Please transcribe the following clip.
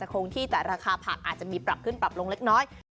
ราคาของเนื้อสัตว์อาจจะคงที่แต่ราคาผักอาจจะมีปรับขึ้นปรับลงเล็กน้อย